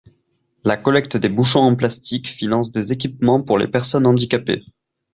La collecte des bouchons en plastique finance des équipements pour les personnes handicapées.